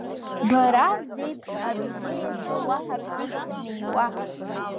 Бара, зеиԥш адунеиаҿы уаҳа ԥҳәыс дмиуа…